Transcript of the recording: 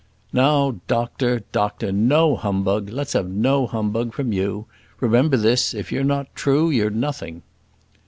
"Now, doctor, doctor, no humbug; let's have no humbug from you. Remember this; if you're not true, you're nothing."